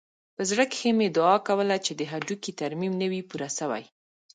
په زړه کښې مې دعا کوله چې د هډوکي ترميم نه وي پوره سوى.